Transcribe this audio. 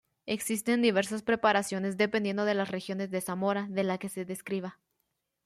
Existen diversas preparaciones dependiendo de las regiones de Zamora de la que se describa.